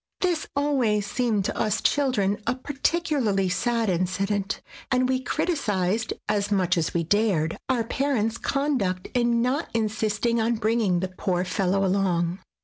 This always seemed to us children a particularly sad incident, and we criticised (as much as we dared) our parents' conduct in not insist ing on bringing the poor fellow along.